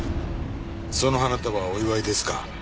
その花束はお祝いですか？